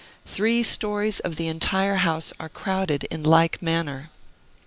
Three stories of the entire house are crowded in like manner.